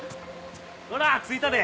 ほら着いたで。